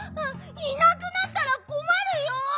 いなくなったらこまるよ！